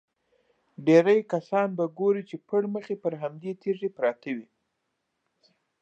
ډېری کسان به ګورې چې پړمخې پر همدې تیږې پراته وي.